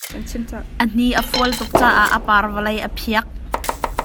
A hni a fual tuk caah a par vawlei a phiak.